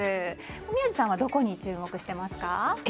宮司さんはどこに注目していますか。